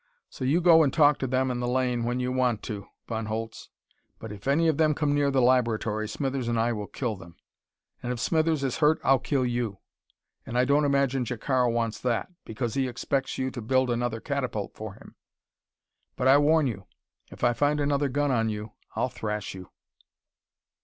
So you go and talk to them in the lane when you want to, Von Holtz. But if any of them come near the laboratory, Smithers and I will kill them, and if Smithers is hurt I'll kill you; and I don't imagine Jacaro wants that, because he expects you to build another catapult for him. But I warn you, if I find another gun on you I'll thrash you."